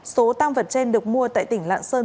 số tăng vật trên được mua tại tỉnh lạng sơn